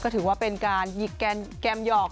ถือว่าเป็นการหยิกแกมหยอก